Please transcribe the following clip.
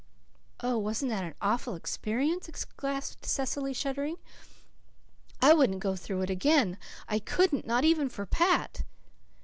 "Oh, wasn't that an awful experience?" gasped Cecily, shuddering. "I wouldn't go through it again I couldn't, not even for Pat."